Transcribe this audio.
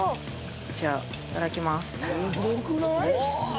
じゃあいただきます。